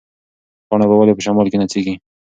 پاڼه به ولې په شمال کې نڅېږي؟